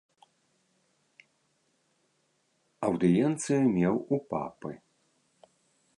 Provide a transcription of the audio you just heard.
Аўдыенцыю меў у папы.